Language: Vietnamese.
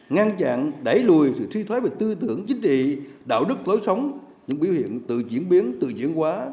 ngăn chặn đẩy lùi sự suy thoái về tư tưởng chính trị đạo đức lối sống những biểu hiện tự diễn biến tự diễn quá